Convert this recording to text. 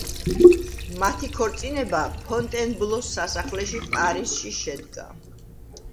მათი ქორწინება ფონტენბლოს სასახლეში, პარიზში შედგა.